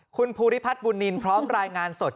คุณภูริพัฒน์บุญนินพร้อมรายงานสด